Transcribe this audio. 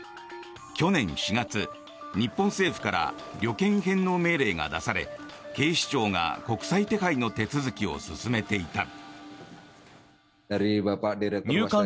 去年４月、日本政府から旅券返納命令が出され警視庁が国際手配の手続きを進めていた。